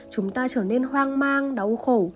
chúng ta trở nên hoang mang đau khổ